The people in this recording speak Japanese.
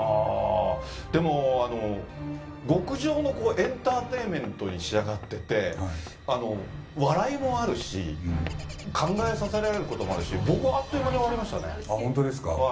でも、極上のエンターテインメントに仕上がっていて、笑いもあるし、考えさせられることもあるし、僕はあっという間に終わり本当ですか。